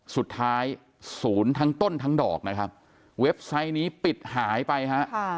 สุดท้ายศูนย์ทั้งต้นทั้งดอกนะครับเว็บไซต์นี้ปิดหายไปฮะ